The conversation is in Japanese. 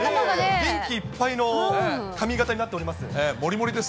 元気いっぱいの髪形になっております。